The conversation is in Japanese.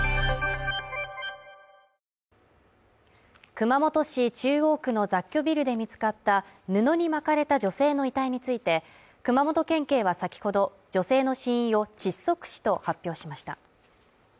熊本市中央区の雑居ビルで見つかった布に巻かれた女性の遺体について熊本県警は先ほど、女性の死因を窒息死と発表しました。